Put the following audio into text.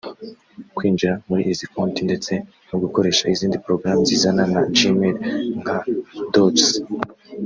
Kwinjira muri izi konti ndetse no gukoresha izindi porogaramu zizana na Gmail nka Docs